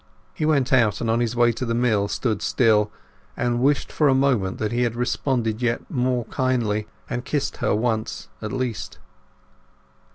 He went out, and on his way to the mill stood still, and wished for a moment that he had responded yet more kindly, and kissed her once at least.